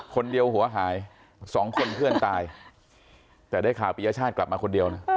หัวหายสองคนเพื่อนตายแต่ได้ข่าวปียชาติกลับมาคนเดียวนะ